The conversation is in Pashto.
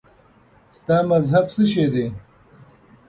ستا مذهب څه شی دی؟